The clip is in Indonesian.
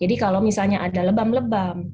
jadi kalau misalnya ada lebam lebam